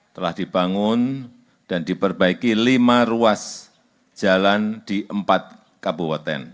telah dibangun dan diperbaiki lima ruas jalan di empat kabupaten